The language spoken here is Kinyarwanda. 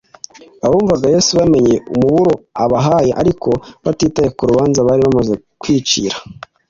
abumvaga yesu bamenye umuburo abahaye ariko batitaye ku rubanza bari bamaze kwicira,